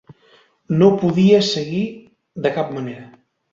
No podia seguir de cap manera.